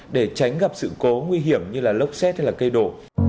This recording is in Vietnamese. để tránh gặp sự cố nguy hiểm như là lốc xét hay là cây đổ